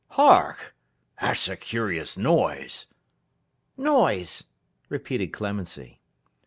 Hark! That's a curious noise!' 'Noise!' repeated Clemency.